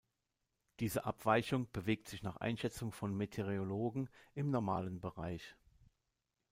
Diese Abweichung bewegt sich nach Einschätzung von Meteorologen im normalen Bereich.